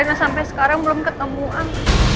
reina sampai sekarang belum ketemu am